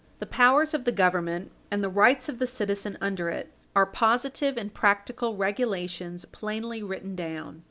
The powers of the Government and the rights of the citizen under it are positive and practical regulations plainly written down.